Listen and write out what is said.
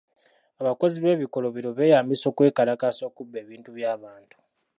Abakozi b'ebikolobero beyambisa okwekalakaasa okubba ebintu by'abantu.